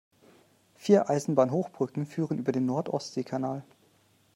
Vier Eisenbahnhochbrücken führen über den Nord-Ostsee-Kanal.